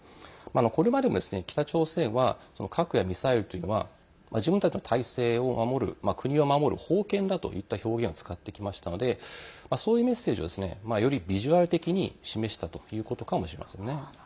これまでも北朝鮮は核やミサイルというのは自分たちの体制を守る国を守る宝剣だといった表現を使ってきましたのでそういうメッセージをよりビジュアル的に示したということかもしれませんね。